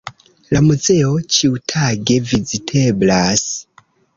La muzeo ĉiutage viziteblas.